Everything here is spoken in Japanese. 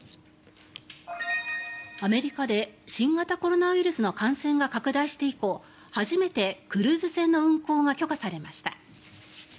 アメリカで新型コロナウイルスの感染が拡大して以降初めてクルーズ船の運航が許可されました。